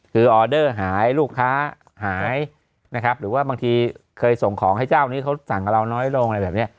คือออเดอร์หายลูกค้าหายนะครับหรือว่าบางทีเคยส่งของให้เจ้านี้เขาสั่งกับเราน้อยลงอะไรแบบนี้